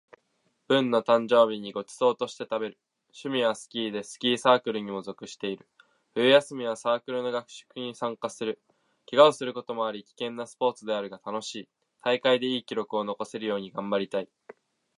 私の好きな食べ物は、フルーツとお寿司である。好きな食べ物は自分の誕生日にごちそうとして食べる。趣味はスキーで、スキーサークルにも属している。冬休みは、サークルの合宿に参加する。怪我をすることもあり危険なスポーツであるが、楽しい。大会でいい記録を残せるように頑張りたい。